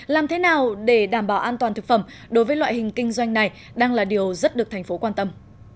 làm thế nào để đảm bảo an toàn thực phẩm đối với loại hình kinh doanh này đang là điều rất được thành phố quan tâm